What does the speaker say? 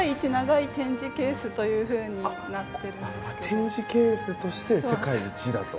展示ケースとして世界一だと。